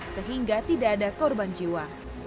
sehingga tidak ada korban jiwa